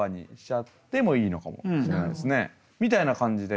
みたいな感じで。